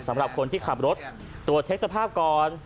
สำหรับคนที่ขับรถตรวจเช็คสภาพก่อน